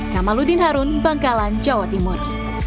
kamaludin harun bangkalan jawa timur